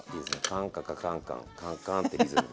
カンカカカンカンカンカンってリズムで。